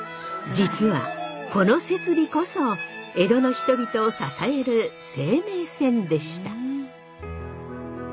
実はこの設備こそ江戸の人々を支える生命線でした。